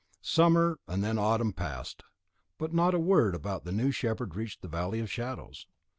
Summer, and then autumn passed, but not a word about the new shepherd reached the Valley of Shadows.